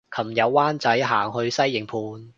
琴日灣仔行去西營盤